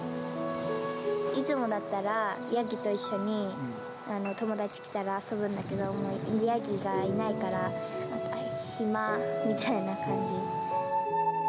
いつもだったらヤギと一緒に、友達が来たら遊ぶんだけど、もうヤギがいないから、暇みたいな感じ。